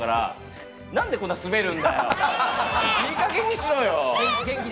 何でこんなにスベるんだよ！